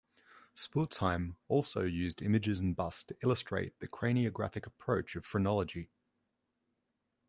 Spurzheim also used images and busts to illustrate the craniographic approach of phrenology.